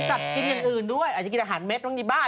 กินสัตว์กินอย่างอื่นด้วยอาจจะกินอาหารเม็ดบ้างดีบ้า